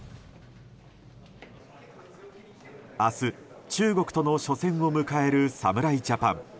明日、中国との初戦を迎える侍ジャパン。